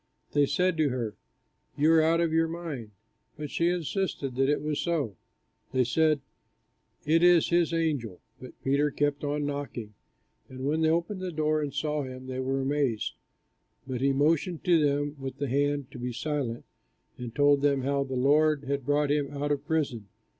They said to her, "You are out of your mind." But she insisted that it was so. They said, "It is his angel." But Peter kept on knocking: and when they opened the door and saw him, they were amazed. But he motioned to them with the hand to be silent, and told them how the Lord had brought him out of prison.